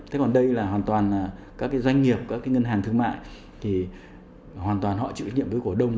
thế còn đây là hoàn toàn là các doanh nghiệp các ngân hàng thương mại thì hoàn toàn họ chịu nhiệm với cổ đông